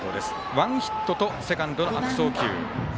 ワンヒットとセカンドの悪送球。